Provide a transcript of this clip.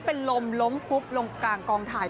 เป็นลมล้มฟุบลงกลางกองถ่าย